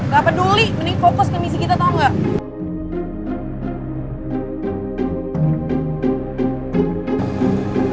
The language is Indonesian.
gak peduli mending fokus ke misi kita tau gak